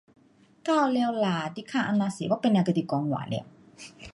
够了啦，你问这么多，我不要跟你讲话了。